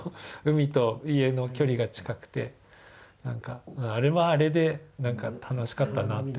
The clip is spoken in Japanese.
海と家の距離が近くて何かあれはあれで楽しかったなって。